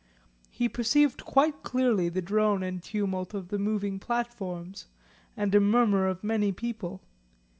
He perceived quite clearly the drone and tumult of the moving platforms and a murmur of many people.